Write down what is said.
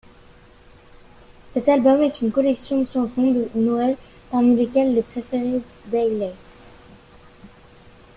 Cet album est une collection de chansons de Noël parmi lesquelles les préférées d'Hayley.